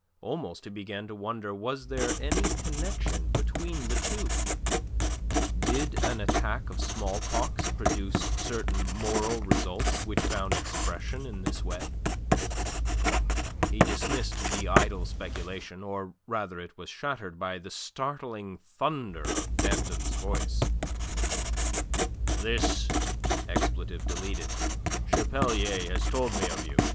Almost he began to wonder was there any connection between the two. Did an attack of smallpox produce certain moral results which found expression in this way? He dismissed the idle speculation, or rather it was shattered by the startling thunder of Danton's voice. "This Chapelier has told me of you.